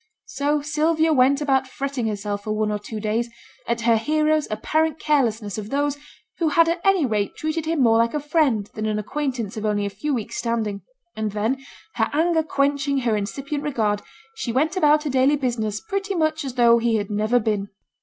So Sylvia went about fretting herself for one or two days, at her hero's apparent carelessness of those who had at any rate treated him more like a friend than an acquaintance of only a few weeks' standing; and then, her anger quenching her incipient regard, she went about her daily business pretty much as though he had never been.